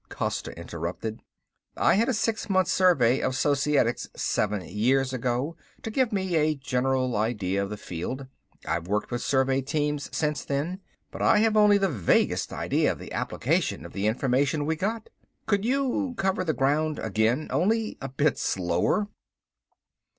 Costa interrupted. "I had a six months survey of Societics seven years ago, to give me a general idea of the field. I've worked with survey teams since then, but I have only the vaguest idea of the application of the information we got. Could you cover the ground again only a bit slower?"